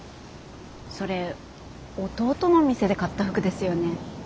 それ弟の店で買った服ですよね。